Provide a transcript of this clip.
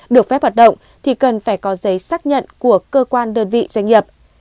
được phép hoạt động thì cần phải có giấy xác nhận của cơ quan đơn vị doanh nghiệp